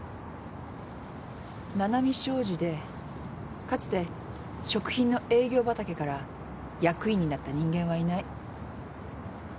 七海商事でかつて食品の営業畑から役員になった人間はいない。